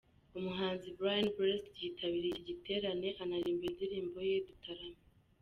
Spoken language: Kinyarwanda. Umuhanzi Brian Blessed yitabiriye iki giterane anaririmba indirimbo ye 'Dutarame'.